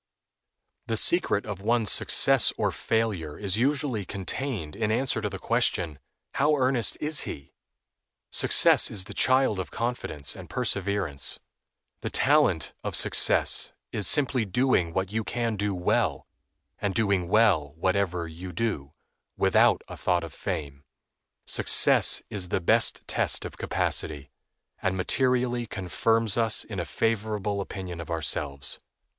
The secret of one's success or failure is usually contained in answer to the question, "How earnest is he?" Success is the child of confidence and perseverance. The talent of success is simply doing what you can do well, and doing well whatever you do, without a thought of fame. Success is the best test of capacity, and materially confirms us in a favorable opinion of ourselves.